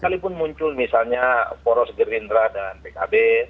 kalaipun muncul misalnya poros gerindra dan bkb